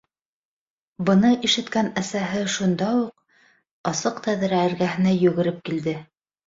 Быны ишеткән әсәһе шунда уҡ асыҡ тәҙрә эргәһенә йүгереп килде: